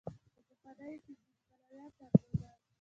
په پخوانو کې ځینې پلویان درلودل.